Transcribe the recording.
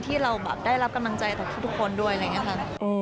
ที่เราแบบได้รับกำลังใจจากทุกคนด้วยอะไรอย่างนี้ค่ะ